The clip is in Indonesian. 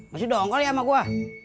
masih dongkol ya sama gua